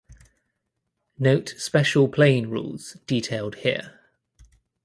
Note special playing rules detailed here.